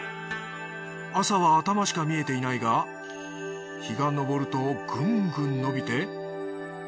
朝は頭しか見えていないが日が昇るとグングン伸びて。